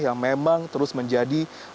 yang memang terus menjadi